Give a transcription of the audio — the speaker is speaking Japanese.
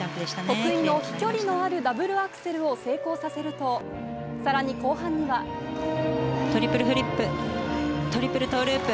得意の飛距離のあるダブルアクセルを成功させると、さらに後トリプルフリップ、トリプルトーループ。